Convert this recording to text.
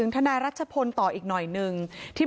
ถ้านายรัชพนธุ์ต่ออีกหน่อยนึง